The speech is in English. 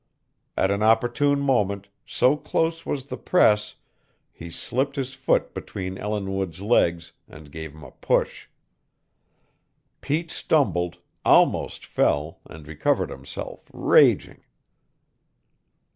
At an opportune moment, so close was the press, he slipped his foot between Ellinwood's legs and gave him a push. Pete stumbled, almost fell, and recovered himself, raging.